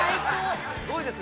◆すごいですね。